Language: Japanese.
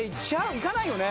いかないよね